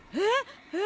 えっ。